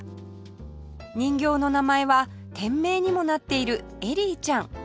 人形の名前は店名にもなっているエリーちゃん